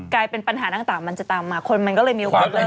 กลายเป็นปัญหาต่างมันจะตามมาคนมันก็เลยมีโอกาสเริ่ม